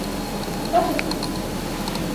Kop of munt.